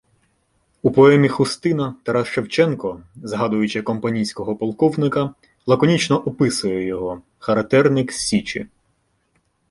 У поемі «Хустина» Тарас Шевченко, згадуючи компанійського полковника, лаконічно описує його — «характерник з Січі».